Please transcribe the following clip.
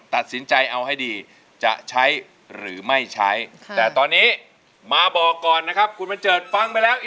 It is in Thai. ตัดสินใจเอาให้ดีจะใช้หรือไม่ใช้แต่ตอนนี้มาบอกก่อนนะครับคุณบันเจิดฟังไปแล้ว